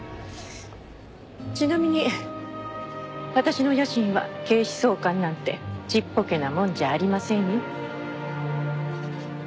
ちなみに私の野心は警視総監なんてちっぽけなもんじゃありませんよ。